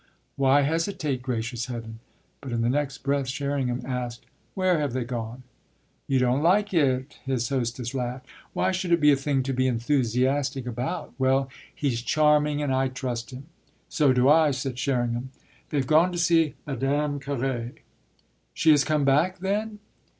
"Why hesitate, gracious heaven?" But in the next breath Sherringham asked: "Where have they gone?" "You don't like it!" his hostess laughed. "Why should it be a thing to be enthusiastic about?" "Well, he's charming and I trust him." "So do I," said Sherringham. "They've gone to see Madame Carré." "She has come back then?"